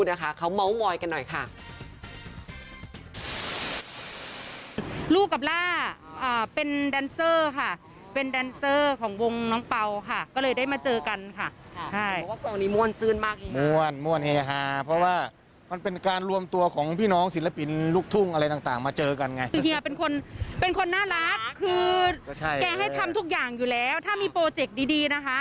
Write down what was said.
รักคือแกให้ทำทุกอย่างอยู่แล้วถ้ามีโปรเจคดีนะคะ